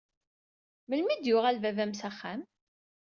Melmi i d-yuɣal baba-m s axxam?